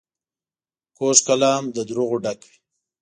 کوږ کلام له دروغو ډک وي